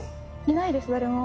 いないです誰も。